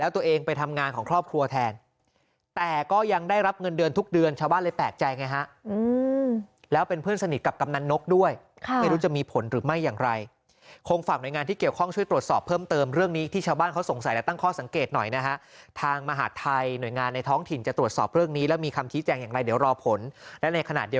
ตัวเองไปทำงานของครอบครัวแทนแต่ก็ยังได้รับเงินเดือนทุกเดือนชาวบ้านเลยแปลกใจไงฮะแล้วเป็นเพื่อนสนิทกับกำนันนกด้วยไม่รู้จะมีผลหรือไม่อย่างไรคงฝากหน่วยงานที่เกี่ยวข้องช่วยตรวจสอบเพิ่มเติมเรื่องนี้ที่ชาวบ้านเขาสงสัยและตั้งข้อสังเกตหน่อยนะฮะทางมหาดไทยหน่วยงานในท้องถิ่นจะตรวจสอบเรื่องนี้แล้วมีคำชี้แจงอย่างไรเดี๋ยวรอผลและในขณะเดียว